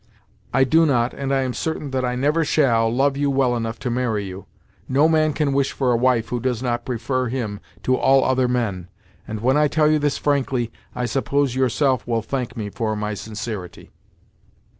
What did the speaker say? I do not, and I am certain that I never shall, love you well enough to marry you. No man can wish for a wife who does not prefer him to all other men, and when I tell you this frankly, I suppose you yourself will thank me for my sincerity."